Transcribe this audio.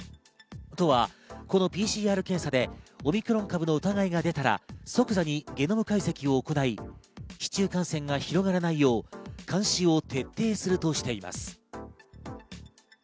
都は、このＰＣＲ検査でオミクロン株の疑いが出たら即座にゲノム解析を行い、市中感染が広がらないよう監視を徹底するとしています。